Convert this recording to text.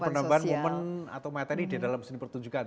penambahan penambahan momen atau materi di dalam sini pertunjukan